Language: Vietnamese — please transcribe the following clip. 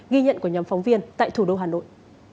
ghi nhận của nhóm phóng viên tại thủ đô hà nội